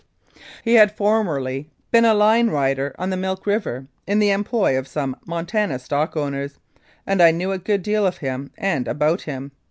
He had formerly been a line rider on the Milk River in the employ of some Montana stock owners, and I knew a good deal of him and about him.